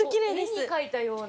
絵に描いたような。